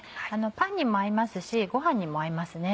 パンにも合いますしご飯にも合いますね。